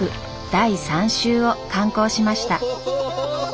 第３集を刊行しました。